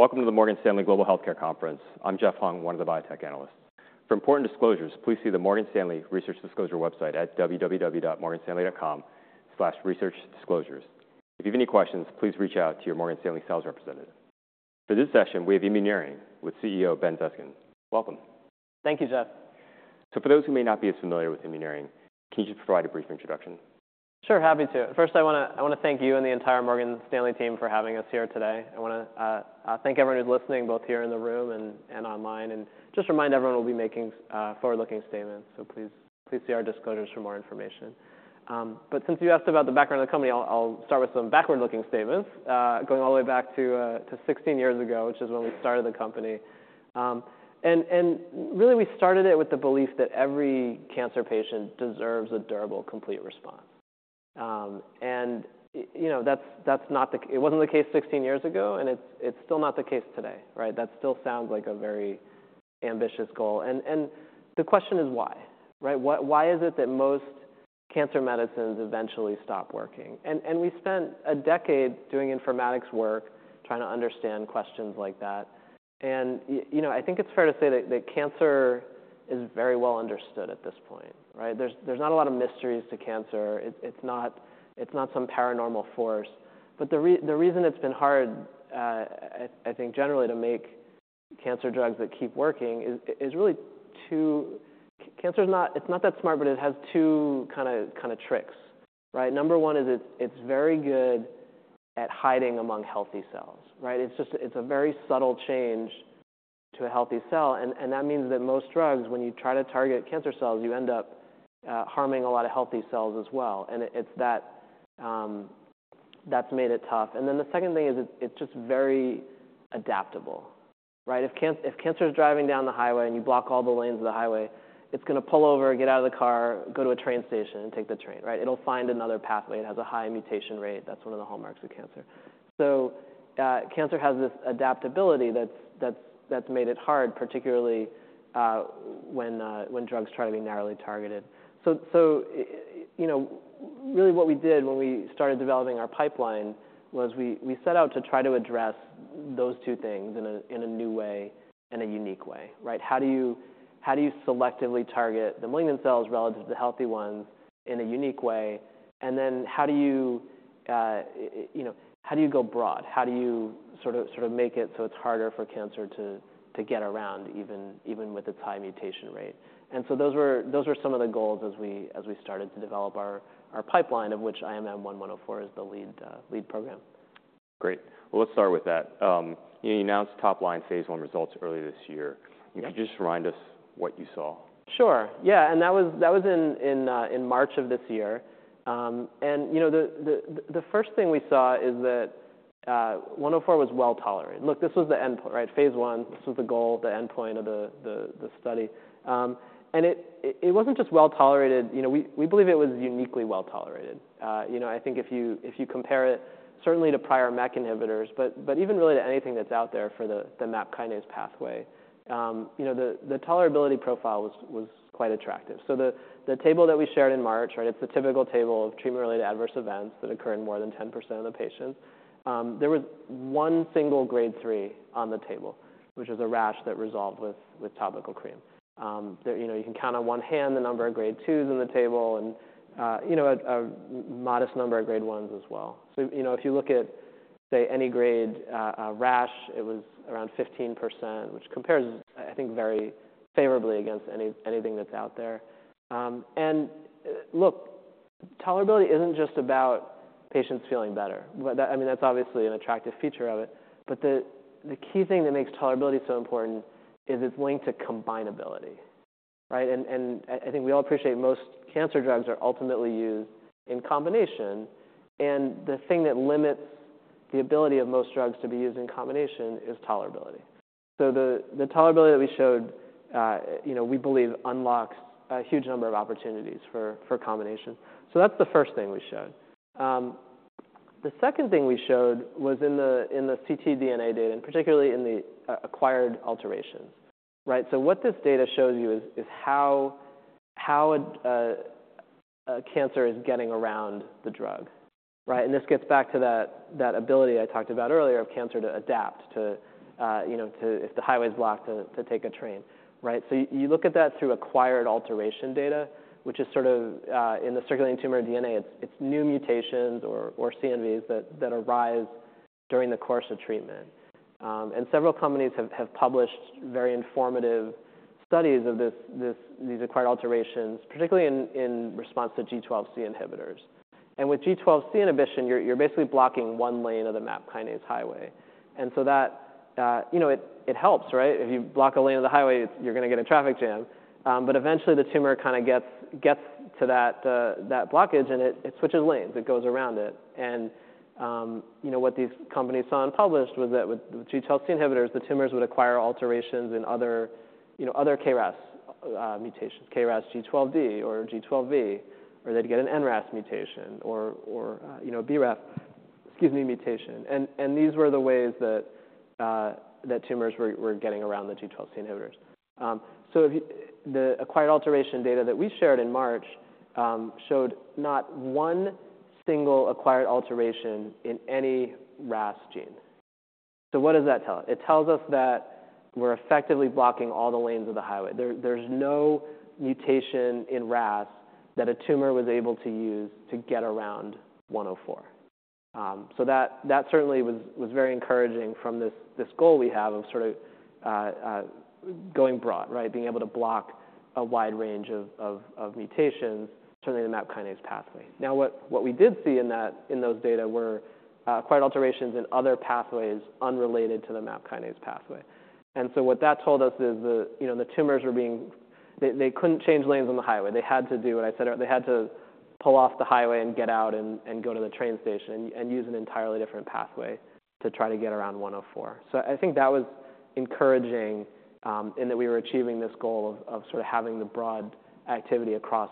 Welcome to the Morgan Stanley Global Healthcare Conference. I'm Jeff Hung, one of the biotech analysts. For important disclosures, please see the Morgan Stanley Research Disclosure website at www.morganstanley.com/researchdisclosures. If you have any questions, please reach out to your Morgan Stanley sales representative. For this session, we have Immuneering with CEO Ben Zeskind. Welcome. Thank you, Jeff. So for those who may not be as familiar with Immuneering, can you just provide a brief introduction? Sure, happy to. First, I wanna thank you and the entire Morgan Stanley team for having us here today. I wanna thank everyone who's listening, both here in the room and online, and just remind everyone we'll be making forward-looking statements, so please, please see our disclosures for more information. But since you asked about the background of the company, I'll start with some backward-looking statements, going all the way back to 16 years ago, which is when we started the company. And really we started it with the belief that every cancer patient deserves a durable, complete response. You know, that's not the case. It wasn't the case 16 years ago, and it's still not the case today, right? That still sounds like a very ambitious goal, and the question is why, right? Why is it that most cancer medicines eventually stop working? And we spent a decade doing informatics work, trying to understand questions like that. And you know, I think it's fair to say that cancer is very well understood at this point, right? There's not a lot of mysteries to cancer. It's not some paranormal force. But the reason it's been hard, I think, generally to make cancer drugs that keep working is really two. Cancer's not that smart, but it has two kinda tricks, right? Number one is it's very good at hiding among healthy cells, right? It's just, it's a very subtle change to a healthy cell, and that means that most drugs, when you try to target cancer cells, you end up harming a lot of healthy cells as well, and it's that that's made it tough. And then the second thing is it's just very adaptable, right? If cancer is driving down the highway, and you block all the lanes of the highway, it's gonna pull over, get out of the car, go to a train station, and take the train, right? It'll find another pathway. It has a high mutation rate. That's one of the hallmarks of cancer. So, cancer has this adaptability that's made it hard, particularly, when drugs try to be narrowly targeted. So, you know, really what we did when we started developing our pipeline was we set out to try to address those two things in a new way, in a unique way, right? How do you selectively target the malignant cells relative to the healthy ones in a unique way? And then, you know, how do you go broad? How do you sort of make it so it's harder for cancer to get around, even with its high mutation rate? And so those were some of the goals as we started to develop our pipeline, of which IMM-1-104 is the lead program. Great. Let's start with that. You announced top-line phase I results earlier this year. Yep. Can you just remind us what you saw? Sure, yeah, and that was in March of this year, and you know, the first thing we saw is that 104 was well-tolerated. Look, this was the endpoint, right? Phase I, this was the goal, the endpoint of the study, and it wasn't just well-tolerated, you know, we believe it was uniquely well-tolerated. You know, I think if you compare it certainly to prior MEK inhibitors, but even really to anything that's out there for the MAP kinase pathway, you know, the tolerability profile was quite attractive. So the table that we shared in March, right, it's the typical table of treatment-related adverse events that occur in more than 10% of the patients. There was one single Grade 3 on the table, which is a rash that resolved with topical cream. You know, you can count on one hand the number of Grade 2s in the table and you know, a modest number of Grade 1s as well. So, you know, if you look at, say, any grade, a rash, it was around 15%, which compares, I think, very favorably against anything that's out there. And look, tolerability isn't just about patients feeling better. But that, I mean, that's obviously an attractive feature of it, but the key thing that makes tolerability so important is it's linked to combinability, right? I think we all appreciate most cancer drugs are ultimately used in combination, and the thing that limits the ability of most drugs to be used in combination is tolerability. So the tolerability that we showed, you know, we believe unlocks a huge number of opportunities for combination. So that's the first thing we showed. The second thing we showed was in the ctDNA data, and particularly in the acquired alterations, right? So what this data shows you is how a cancer is getting around the drug, right? And this gets back to that ability I talked about earlier of cancer to adapt to, you know, to if the highway's blocked, to take a train, right? So you look at that through acquired alteration data, which is sort of in the circulating tumor DNA. It's new mutations or CNVs that arise during the course of treatment, and several companies have published very informative studies of this, these acquired alterations, particularly in response to G12C inhibitors, and with G12C inhibition, you're basically blocking one lane of the MAP kinase highway, and so that, you know, it helps, right? If you block a lane of the highway, you're gonna get a traffic jam, but eventually, the tumor kinda gets to that blockage, and it switches lanes, it goes around it. You know, what these companies saw and published was that with G12C inhibitors, the tumors would acquire alterations in other, you know, other KRAS mutations, KRAS G12D or G12V, or they'd get an NRAS mutation or, you know, BRAF, excuse me, mutation. These were the ways that tumors were getting around the G12C inhibitors. The acquired alteration data that we shared in March showed not one single acquired alteration in any RAS gene. So what does that tell us? It tells us that we're effectively blocking all the lanes of the highway. There's no mutation in RAS that a tumor was able to use to get around 104. So that certainly was very encouraging from this goal we have of sort of going broad, right? Being able to block a wide range of mutations, certainly the MAP kinase pathway. Now, what we did see in that in those data were acquired alterations in other pathways unrelated to the MAP kinase pathway. And so what that told us is that, you know, the tumors were being. They couldn't change lanes on the highway. They had to do what I said, they had to pull off the highway and get out and go to the train station and use an entirely different pathway to try to get around 104. So I think that was encouraging, in that we were achieving this goal of sort of having the broad activity across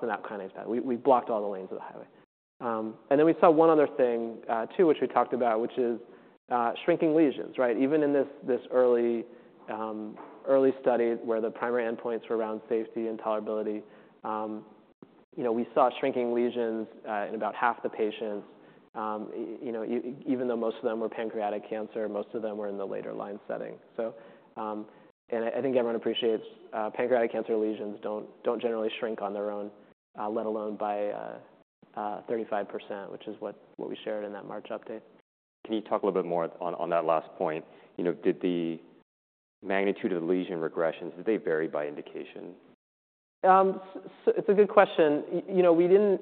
the MAP kinase path. We blocked all the lanes of the highway. And then we saw one other thing, too, which we talked about, which is shrinking lesions, right? Even in this early study, where the primary endpoints were around safety and tolerability, you know, we saw shrinking lesions in about half the patients. You know, even though most of them were pancreatic cancer, most of them were in the later line setting. So, and I think everyone appreciates, pancreatic cancer lesions don't generally shrink on their own, let alone by 35%, which is what we shared in that March update. Can you talk a little bit more on that last point? You know, did the magnitude of lesion regressions vary by indication? It's a good question. You know,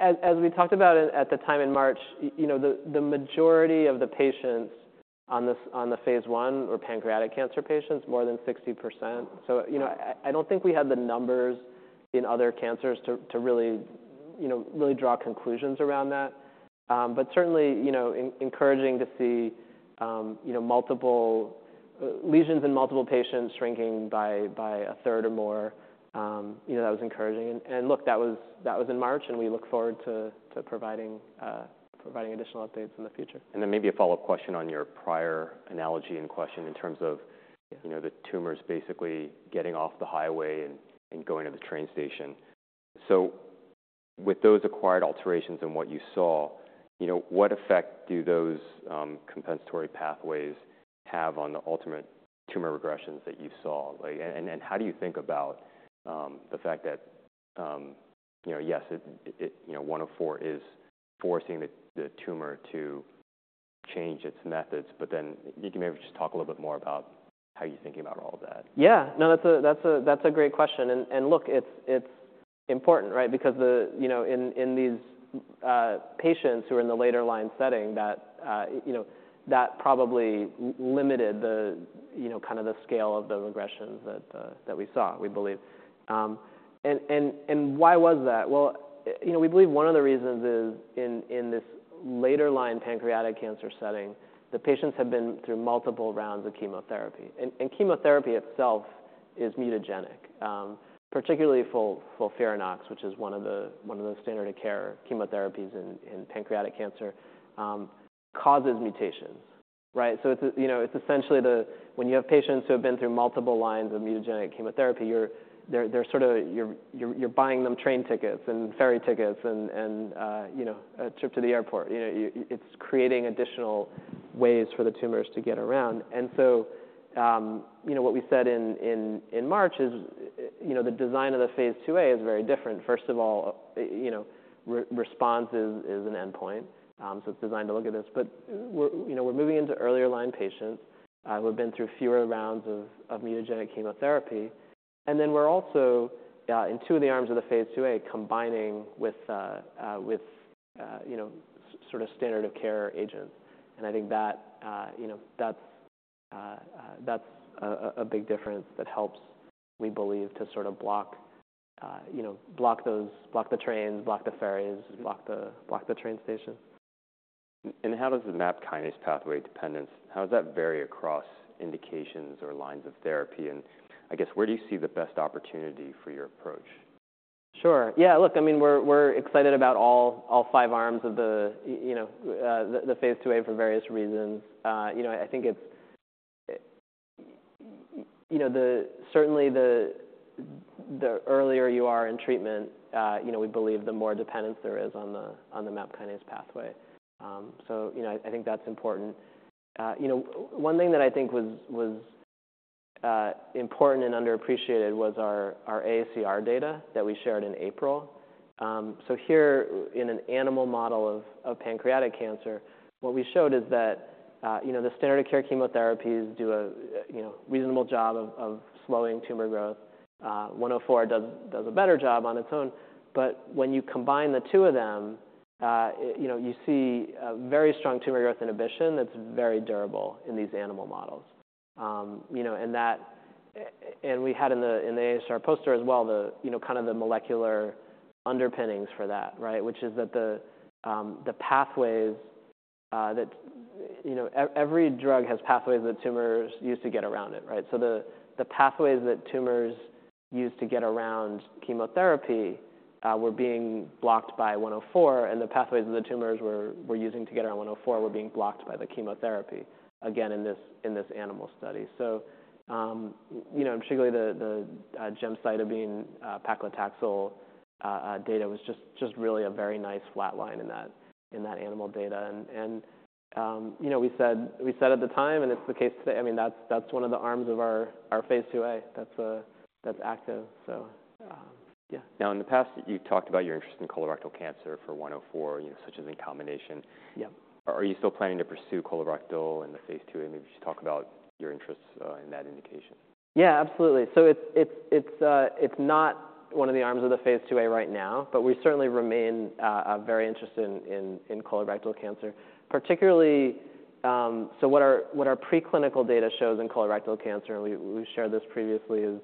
as we talked about at the time in March, you know, the majority of the patients on the phase I were pancreatic cancer patients, more than 60%. So, you know, I don't think we had the numbers in other cancers to really, you know, draw conclusions around that. But certainly, you know, encouraging to see, you know, multiple lesions in multiple patients shrinking by a third or more. You know, that was encouraging. And look, that was in March, and we look forward to providing additional updates in the future. And then maybe a follow-up question on your prior analogy and question in terms of, you know, the tumors basically getting off the highway and going to the train station. So with those acquired alterations and what you saw, you know, what effect do those compensatory pathways have on the ultimate tumor regressions that you saw? Like, and how do you think about the fact that, you know, yes, it, you know, 104 is forcing the tumor to change its methods, but then, you can maybe just talk a little bit more about how you're thinking about all of that. Yeah. No, that's a great question. And look, it's important, right? Because, you know, in these patients who are in the later line setting, that, you know, that probably limited the, you know, kind of the scale of the regressions that we saw, we believe. And why was that? Well, you know, we believe one of the reasons is in this later line pancreatic cancer setting, the patients have been through multiple rounds of chemotherapy. And chemotherapy itself is mutagenic, particularly FOLFIRINOX, which is one of the standard of care chemotherapies in pancreatic cancer, causes mutations, right? So it's, you know, it's essentially. When you have patients who have been through multiple lines of mutagenic chemotherapy, you're buying them train tickets and ferry tickets and, you know, a trip to the airport. You know, it's creating additional ways for the tumors to get around. So, you know, what we said in March is, you know, the design of the phase II-A is very different. First of all, you know, response is an endpoint, so it's designed to look at this. But you know, we're moving into earlier line patients, who have been through fewer rounds of mutagenic chemotherapy. And then we're also, in two of the arms of the phase II-A, combining with, you know, sort of standard of care agents. And I think that, you know, that's a big difference that helps, we believe, to sort of block, you know, block the ferries, block the train station. How does the MAP Kinase Pathway dependence vary across indications or lines of therapy? I guess, where do you see the best opportunity for your approach? Sure. Yeah, look, I mean, we're excited about all five arms of the, you know, the phase II-A for various reasons. You know, I think it's, you know, certainly, the earlier you are in treatment, you know, we believe the more dependence there is on the MAP kinase pathway. So, you know, I think that's important. You know, one thing that I think was important and underappreciated was our AACR data that we shared in April. So here, in an animal model of pancreatic cancer, what we showed is that, you know, the standard of care chemotherapies do a reasonable job of slowing tumor growth. 104 does a better job on its own, but when you combine the two of them, you know, you see a very strong tumor growth inhibition that's very durable in these animal models. You know, and that, and we had in the AACR poster as well, you know, kind of the molecular underpinnings for that, right? Which is that the pathways that you know, every drug has pathways that tumors use to get around it, right? So the pathways that tumors use to get around chemotherapy were being blocked by 104, and the pathways of the tumors were using to get on 104 were being blocked by the chemotherapy, again, in this animal study. You know, particularly the gemcitabine paclitaxel data was just really a very nice flat line in that animal data. You know, we said at the time, and it's the case today. I mean, that's one of the arms of our phase II-A. That's active. Yeah. Now, in the past, you've talked about your interest in colorectal cancer for 104, you know, such as in combination. Yeah. Are you still planning to pursue colorectal in the phase II-A? And maybe just talk about your interests in that indication. Yeah, absolutely. So it's not one of the arms of the phase II-A right now, but we certainly remain very interested in colorectal cancer. Particularly, so what our preclinical data shows in colorectal cancer, and we've shared this previously, is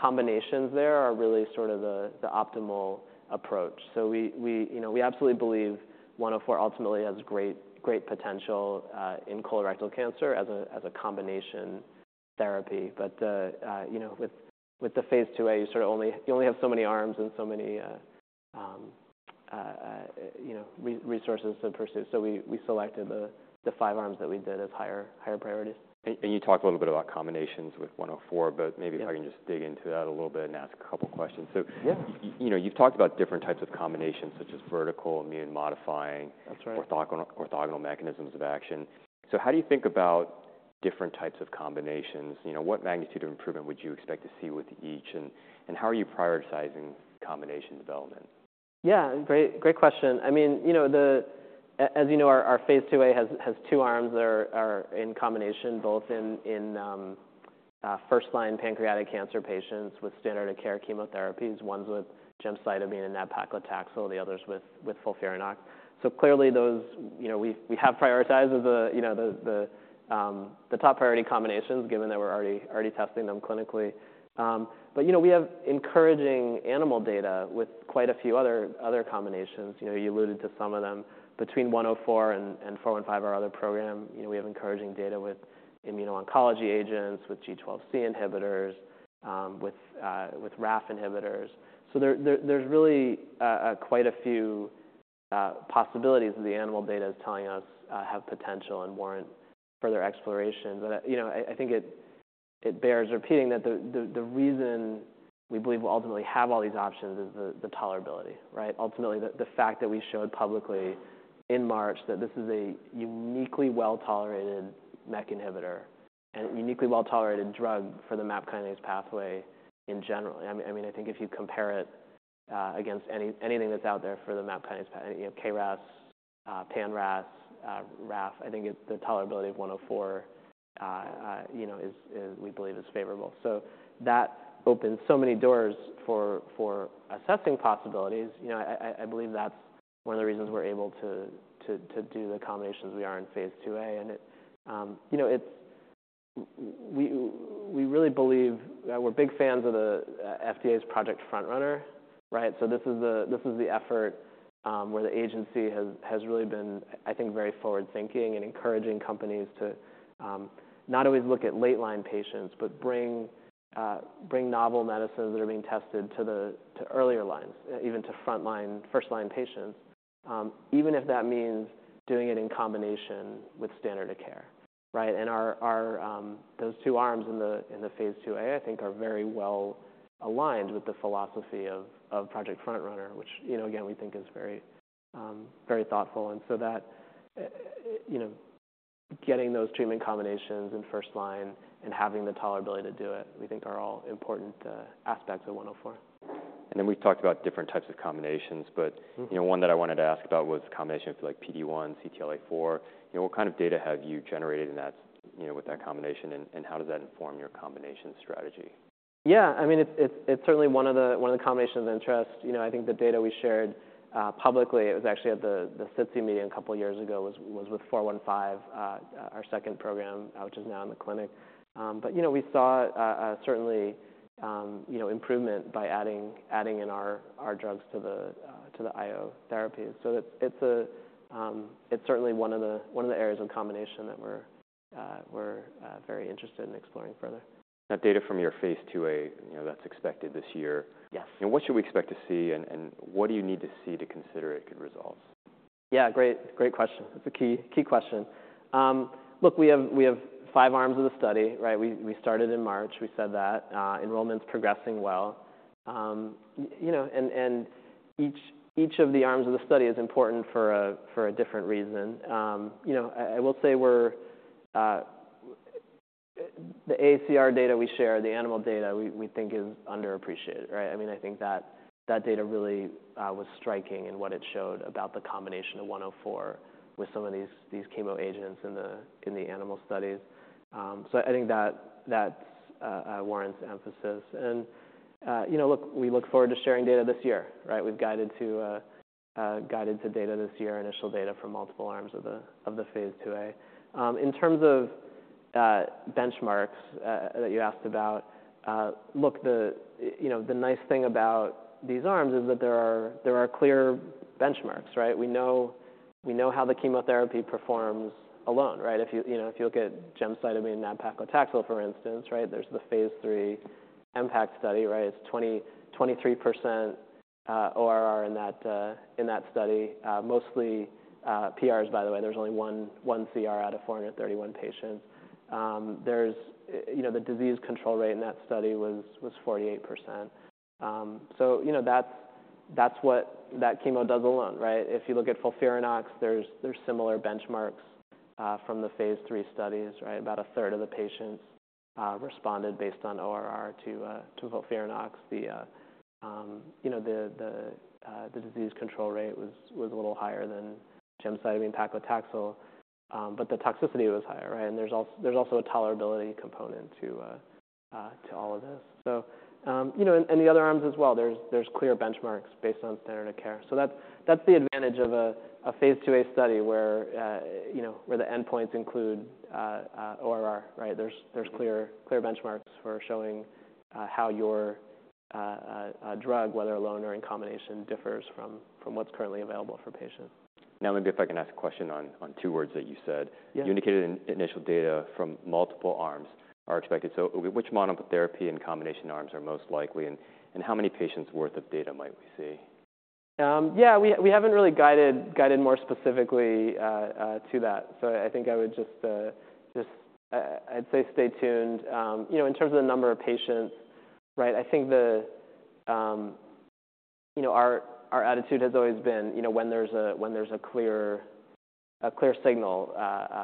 combinations there are really sort of the optimal approach. So we you know absolutely believe 104 ultimately has great potential in colorectal cancer as a combination therapy. But you know with the phase II-A, you sort of only have so many arms and so many you know resources to pursue, so we selected the five arms that we did as higher priorities. You talked a little bit about combinations with 104, but maybe if I can just dig into that a little bit and ask a couple questions? Yeah. So, you know, you've talked about different types of combinations, such as vertical, immune modifying- That's right. Orthogonal, orthogonal mechanisms of action. So how do you think about different types of combinations? You know, what magnitude of improvement would you expect to see with each, and, and how are you prioritizing combination development? Yeah, great, great question. I mean, you know, as you know, our phase II-A has two arms that are in combination, both in first-line pancreatic cancer patients with standard of care chemotherapies. One's with gemcitabine and nab-paclitaxel, the other's with FOLFIRINOX. So clearly, those. You know, we have prioritized the, you know, the top priority combinations, given that we're already testing them clinically. But, you know, we have encouraging animal data with quite a few other combinations. You know, you alluded to some of them. Between 104 and 415, our other program, you know, we have encouraging data with immuno-oncology agents, with G12C inhibitors, with RAF inhibitors. So there's really quite a few possibilities that the animal data is telling us have potential and warrant further exploration. But, you know, I think it bears repeating that the reason we believe we'll ultimately have all these options is the tolerability, right? Ultimately, the fact that we showed publicly in March that this is a uniquely well-tolerated MEK inhibitor and a uniquely well-tolerated drug for the MAP kinase pathway in general. I mean, I think if you compare it against anything that's out there for the MAP kinase path, you know, KRAS, RAS, RAF, I think it's the tolerability of 104, you know, we believe is favorable. So that opens so many doors for assessing possibilities. You know, I believe that's one of the reasons we're able to do the combinations we are in phase II-A. And it, you know, we really believe. We're big fans of the FDA's Project FrontRunner, right? So this is the effort where the agency has really been, I think, very forward-thinking and encouraging companies to not always look at late line patients, but bring novel medicines that are being tested to the earlier lines, even to frontline, first-line patients, even if that means doing it in combination with standard of care, right? And our, those two arms in the phase II-A, I think, are very well aligned with the philosophy of Project FrontRunner, which, you know, again, we think is very, very thoughtful. And so that, you know, getting those treatment combinations in first line and having the tolerability to do it, we think are all important aspects of 104. And then we've talked about different types of combinations, but, you know, one that I wanted to ask about was the combination of like PD-1, CTLA-4. You know, what kind of data have you generated in that, you know, with that combination, and, and how does that inform your combination strategy? Yeah, I mean, it's certainly one of the combinations of interest. You know, I think the data we shared publicly, it was actually at the SITC meeting a couple of years ago, was with 415, our second program, which is now in the clinic. But, you know, we saw certainly you know, improvement by adding in our drugs to the IO therapies. So it's a, it's certainly one of the areas of combination that we're very interested in exploring further. That data from your phase II-A, you know, that's expected this year. Yes? What should we expect to see, and, and what do you need to see to consider it good results? Yeah, great, great question. It's a key, key question. Look, we have, we have five arms of the study, right? We, we started in March, we said that. You know, and, and each, each of the arms of the study is important for a, for a different reason. You know, I will say we're, the ACR data we share, the animal data, we, we think is underappreciated, right? I mean, I think that that data really was striking in what it showed about the combination of 104 with some of these, these chemo agents in the, in the animal studies. So I think that warrants emphasis. And, you know, look, we look forward to sharing data this year, right? We've guided to data this year, initial data from multiple arms of the phase II-A. In terms of benchmarks that you asked about, look, you know, the nice thing about these arms is that there are clear benchmarks, right? We know how the chemotherapy performs alone, right? If you, you know, if you look at gemcitabine and paclitaxel, for instance, right, there's the phase III MPACT study, right? It's 23% ORR in that study. Mostly PRs, by the way. There's only 1 CR out of 431 patients. You know, the disease control rate in that study was 48%. So, you know, that's what that chemo does alone, right? If you look at FOLFIRINOX, there's similar benchmarks from the phase III studies, right? About a third of the patients responded based on ORR to FOLFIRINOX. The disease control rate was a little higher than gemcitabine paclitaxel, but the toxicity was higher, right? There's also a tolerability component to all of this. So, you know, and the other arms as well, there's clear benchmarks based on standard of care. That's the advantage of a phase II-A study where the endpoints include ORR, right? There's clear benchmarks for showing how a drug, whether alone or in combination, differs from what's currently available for patients. Now, maybe if I can ask a question on two words that you said. Yeah? You indicated in initial data from multiple arms are expected. So which monotherapy and combination arms are most likely, and how many patients worth of data might we see? Yeah, we haven't really guided more specifically to that. So I think I would just, I'd say stay tuned. You know, in terms of the number of patients, right, I think you know, our attitude has always been, you know, when there's a clear signal,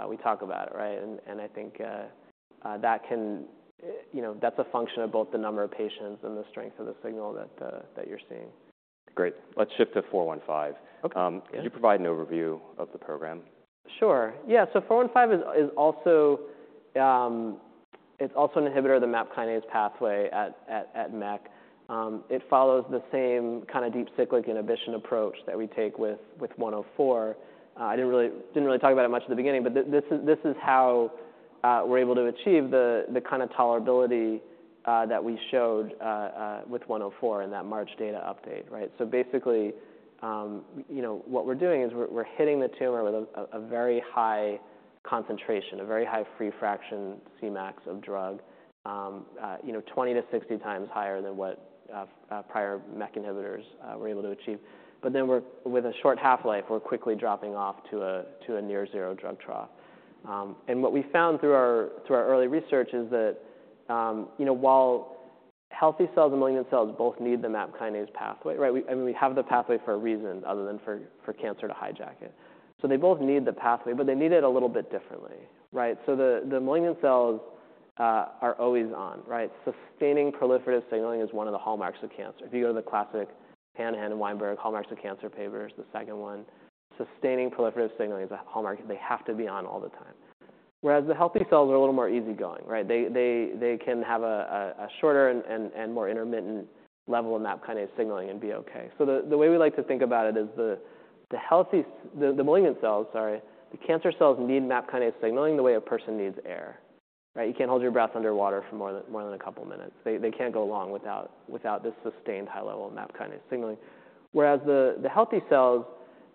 we talk about it, right? And I think that can you know, that's a function of both the number of patients and the strength of the signal that you're seeing. Great. Let's shift to 415. Okay. Yeah. Could you provide an overview of the program? Sure. Yeah, so 415 is also an inhibitor of the MAP kinase pathway at MEK. It follows the same kind of deep cyclic inhibition approach that we take with 104. I didn't really talk about it much at the beginning, but this is how we're able to achieve the kind of tolerability that we showed with 104 in that March data update, right? So basically, you know, what we're doing is we're hitting the tumor with a very high concentration, a very high free fraction Cmax of drug, you know, 20-60 times higher than what prior MEK inhibitors were able to achieve. But then with a short half-life, we're quickly dropping off to a near zero drug trough. And what we found through our early research is that, you know, while healthy cells and malignant cells both need the MAP kinase pathway, right? I mean, we have the pathway for a reason other than for cancer to hijack it. So they both need the pathway, but they need it a little bit differently, right? So the malignant cells are always on, right? Sustaining proliferative signaling is one of the hallmarks of cancer. If you go to the classic Hanahan and Weinberg hallmarks of cancer papers, the second one, sustaining proliferative signaling is a hallmark. They have to be on all the time. Whereas the healthy cells are a little more easygoing, right? They can have a shorter and more intermittent level of MAP kinase signaling and be okay. So the way we like to think about it is the healthy, the malignant cells, sorry, the cancer cells need MAP kinase signaling the way a person needs air, right? You can't hold your breath underwater for more than a couple minutes. They can't go along without this sustained high level of MAP kinase signaling. Whereas the healthy cells,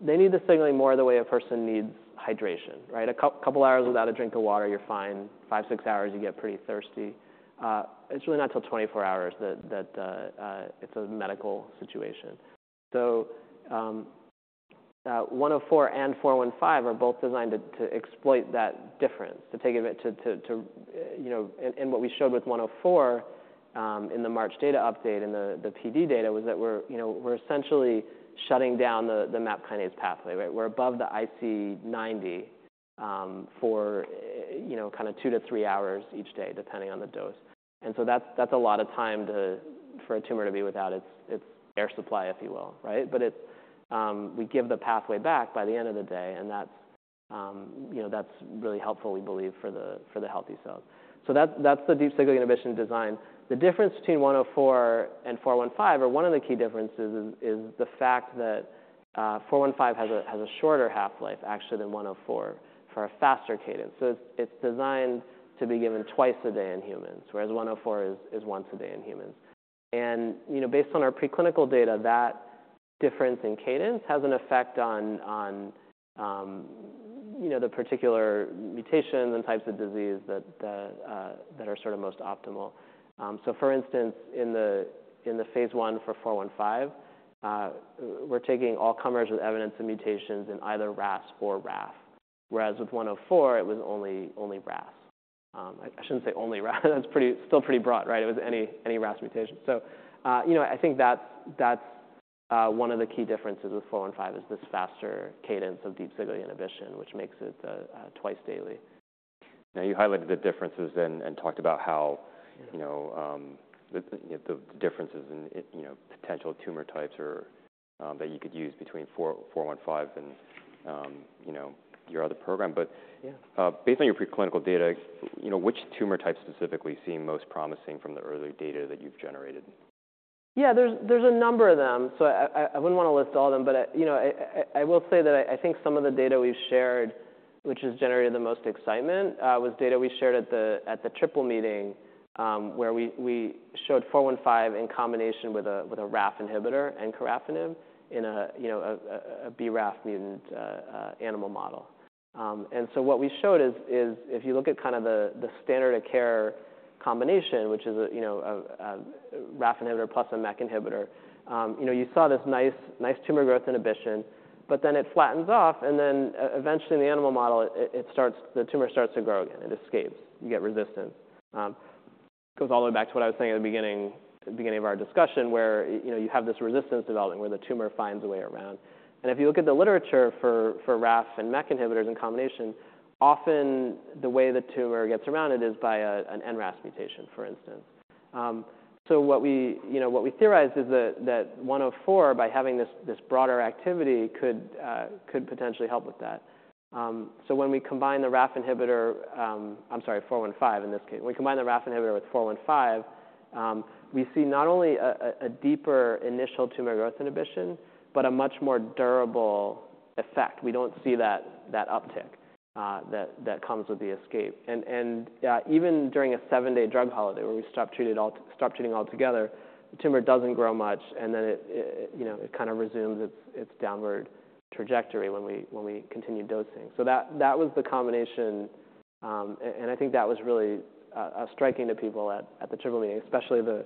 they need the signaling more the way a person needs hydration, right? A couple hours without a drink of water, you're fine. 5-6 hours, you get pretty thirsty. It's really not till 24 hours that it's a medical situation. So, 104 and 415 are both designed to exploit that difference, to take it to, you know. And what we showed with 104, in the March data update and the PD data, was that we're, you know, we're essentially shutting down the MAP kinase pathway, right? We're above the IC90, for, you know, kind of 2-3 hours each day, depending on the dose. And so that's a lot of time for a tumor to be without its air supply, if you will, right? But we give the pathway back by the end of the day, and that's, you know, that's really helpful, we believe, for the healthy cells. So that's the deep cyclic inhibition design. The difference between 104 and 415, or one of the key differences is the fact that 415 has a shorter half-life actually than 104 for a faster cadence. So it's designed to be given twice a day in humans, whereas 104 is once a day in humans. And you know, based on our preclinical data, that difference in cadence has an effect on you know, the particular mutations and types of disease that are sort of most optimal. So for instance, in the phase I for 415, we're taking all comers with evidence and mutations in either RAS or RAF, whereas with 104, it was only RAS. I shouldn't say only RAS, that's pretty, still pretty broad, right? It was any RAS mutation. So, you know, I think that's one of the key differences with 415, is this faster cadence of deep cyclic inhibition, which makes it twice daily. Now, you highlighted the differences and talked about how, you know, the differences in, you know, potential tumor types or, that you could use between 415 and, you know, your other program. Yeah. But, based on your preclinical data, you know, which tumor types specifically seem most promising from the early data that you've generated? Yeah, there's a number of them, so I wouldn't wanna list all of them. But, you know, I will say that I think some of the data we've shared which has generated the most excitement was data we shared at the Triple Meeting, where we showed 415 in combination with a RAF inhibitor, encorafinib, in a BRAF mutant animal model. And so what we showed is if you look at kind of the standard of care combination, which is a RAF inhibitor plus a MEK inhibitor, you know, you saw this nice tumor growth inhibition, but then it flattens off, and then eventually, in the animal model, the tumor starts to grow again. It escapes. You get resistance. It goes all the way back to what I was saying at the beginning of our discussion, where you know you have this resistance developing, where the tumor finds a way around, and if you look at the literature for RAF and MEK inhibitors in combination, often the way the tumor gets around it is by an NRAS mutation, for instance, so what we, you know, what we theorized is that that 104, by having this broader activity, could potentially help with that, so when we combine the RAF inhibitor, I'm sorry, 415, in this case. When we combine the RAF inhibitor with 415, we see not only a deeper initial tumor growth inhibition, but a much more durable effect. We don't see that uptick that comes with the escape. And even during a seven-day drug holiday, where we stop treating altogether, the tumor doesn't grow much, and then it you know kind of resumes its downward trajectory when we continue dosing. So that was the combination and I think that was really striking to people at the Triple Meeting, especially the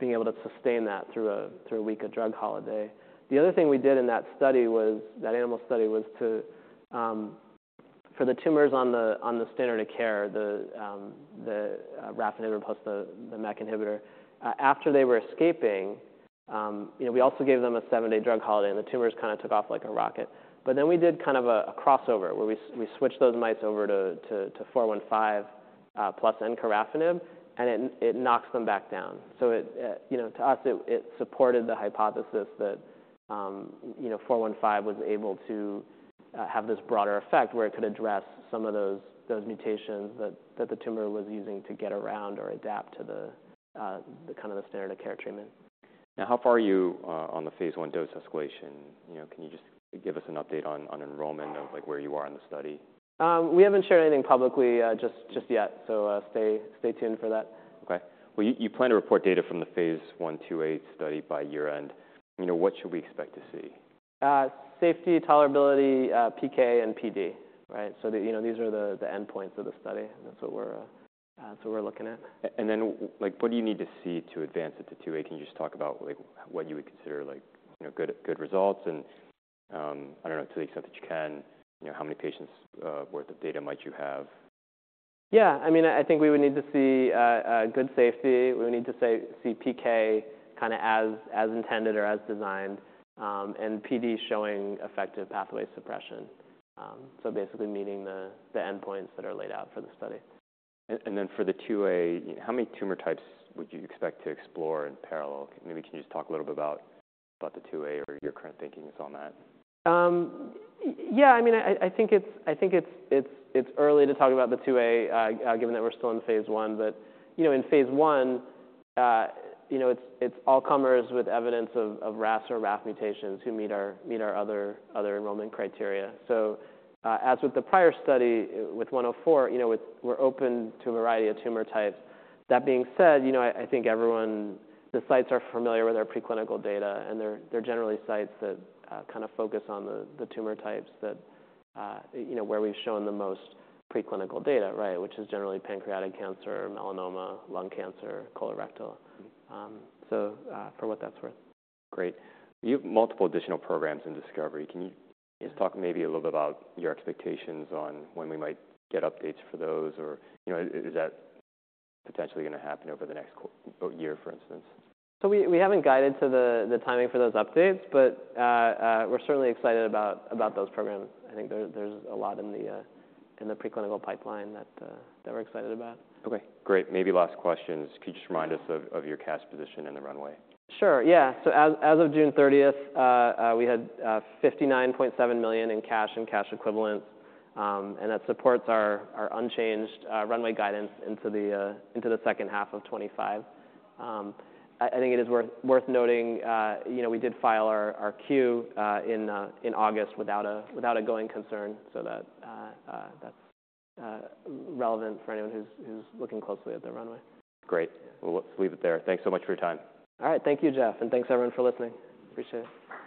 being able to sustain that through a week of drug holiday. The other thing we did in that study was, that animal study, was to, for the tumors on the standard of care, the RAF inhibitor plus the MEK inhibitor, after they were escaping, you know, we also gave them a seven-day drug holiday, and the tumors kind of took off like a rocket. But then we did kind of a crossover, where we switched those mice over to 415, plus encorafinib, and it knocks them back down. So it, you know, to us, it supported the hypothesis that, you know, 415 was able to have this broader effect, where it could address some of those mutations that the tumor was using to get around or adapt to the kind of the standard of care treatment. Now, how far are you on the phase I dose escalation? You know, can you just give us an update on enrollment of, like, where you are in the study? We haven't shared anything publicly, just yet, so stay tuned for that. Okay. You plan to report data from the phase I/II-A study by year-end. You know, what should we expect to see? Safety, tolerability, PK, and PD, right? So you know, these are the endpoints of the study, and that's what we're looking at. And then, like, what do you need to see to advance it to II-A? Can you just talk about, like, what you would consider, like, you know, good results? And, I don't know, to the extent that you can, you know, how many patients' worth of data might you have? Yeah, I mean, I think we would need to see a good safety. We would need to see PK kinda as intended or as designed, and PD showing effective pathway suppression. So basically meeting the endpoints that are laid out for the study. And then for the II-A, how many tumor types would you expect to explore in parallel? Maybe can you just talk a little bit about the II-A or your current thinking on that? Yeah, I mean, I think it's early to talk about the II-A, given that we're still in the phase I. But, you know, in phase I, you know, it's all comers with evidence of RAS or RAF mutations who meet our other enrollment criteria. So, as with the prior study, with 104, you know, we're open to a variety of tumor types. That being said, you know, I think everyone, the sites are familiar with our preclinical data, and they're generally sites that kind of focus on the tumor types that you know where we've shown the most preclinical data, right? Which is generally pancreatic cancer, melanoma, lung cancer, colorectal. So, for what that's worth. Great. You have multiple additional programs in discovery. Can you just talk maybe a little bit about your expectations on when we might get updates for those? Or, you know, is that potentially gonna happen over the next year, for instance? So we haven't guided to the timing for those updates, but we're certainly excited about those programs. I think there's a lot in the preclinical pipeline that we're excited about. Okay, great. Maybe last questions: Could you just remind us of your cash position and the runway? Sure, yeah. So as of June 30th, we had $59.7 million in cash and cash equivalents. And that supports our unchanged runway guidance into the second half of 2025. I think it is worth noting, you know, we did file our Q in August without a going concern, so that's relevant for anyone who's looking closely at the runway. Great. We'll, we'll leave it there. Thanks so much for your time. All right. Thank you, Jeff, and thanks, everyone, for listening. Appreciate it.